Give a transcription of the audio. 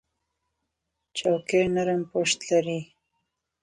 چوکۍ نرم پُشت لري.